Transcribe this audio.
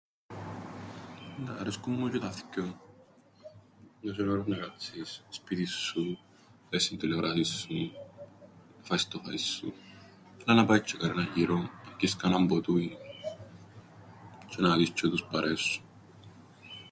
Αρέσκουν μου τζ̆αι τα θκυο. Εν' ωραίον να κάτσεις σπίτιν σου, να δεις την τηλεόρασην σου, να φάεις το φαΐν σου, αλλά να πάεις τζ̆αι κανέναν γυρόν να πιεις κανέναν ποτούιν τζ̆αι να δεις τζ̆αι τους παρέες σου.